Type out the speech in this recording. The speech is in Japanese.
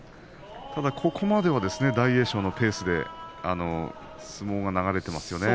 ただここまでは大栄翔のペースで相撲が流れていますよね。